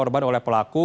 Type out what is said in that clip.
korban oleh pelaku